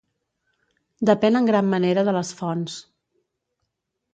Depèn en gran manera de les fonts.